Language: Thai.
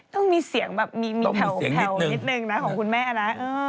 ต้องมีเสียงแบบมีแผ่วนิดนึงนะของคุณแม่นะ